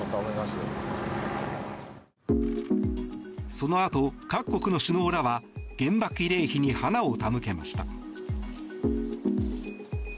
そのあと、各国の首脳らは原爆慰霊碑に花を手向けました。